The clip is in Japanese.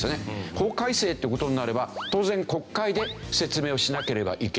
法改正って事になれば当然国会で説明をしなければいけない。